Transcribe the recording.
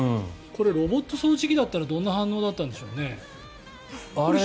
ロボット掃除機だったらどんな反応だったんでしょうね。